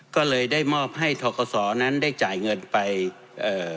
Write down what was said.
ก็เลยได้มอบให้ทกศนั้นได้จ่ายเงินไปเอ่อ